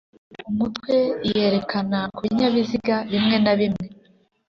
Umutwe iyerekana ku binyabiziga bimwe na bimwe